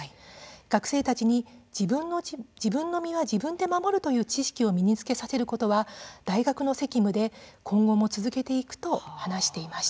学生たちに自分の身は自分で守るという知識を身につけさせることは大学の責務で今後も続けていくと話していました。